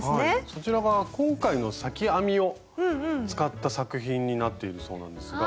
そちらが今回の裂き編みを使った作品になっているそうなんですが。